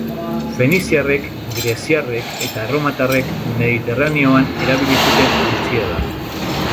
Feniziarrek, greziarrek eta erromatarrek Mediterraneoan erabili zuten ontzia da.